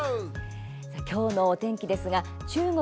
今日のお天気ですが中国